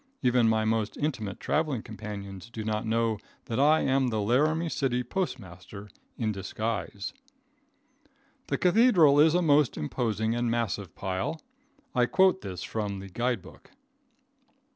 Even my most intimate traveling companions do not know that I am the Laramie City postmaster in disguise. The cathedral is a most imposing and massive pile. I quote this from the guide book.